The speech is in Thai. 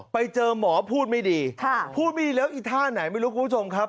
ไปเจอหมอพูดไม่ดีพูดไม่ดีแล้วอีท่าไหนไม่รู้คุณผู้ชมครับ